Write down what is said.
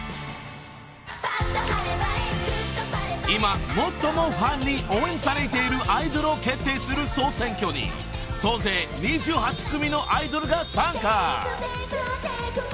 ［今最もファンに応援されているアイドルを決定する総選挙に総勢２８組のアイドルが参加］